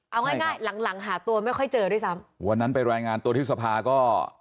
เอาง่ายง่ายหลังหลังหาตัวไม่ค่อยเจอด้วยซ้ำวันนั้นไปรายงานตัวที่สภาก็